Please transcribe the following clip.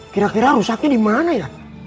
kira kira rusaknya dimana ya